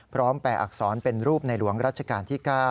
แปลอักษรเป็นรูปในหลวงรัชกาลที่๙